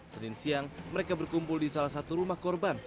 senin siang mereka berkumpul di salah satu rumah korban